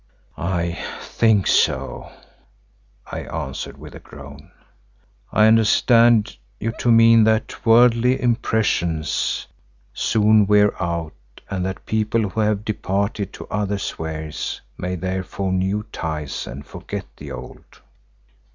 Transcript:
"I think so," I answered with a groan. "I understand you to mean that worldly impressions soon wear out and that people who have departed to other spheres may there form new ties and forget the old."